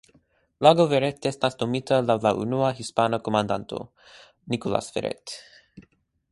Lago Verret estas nomita laŭ la unua hispana komandanto "Nicolas Verret".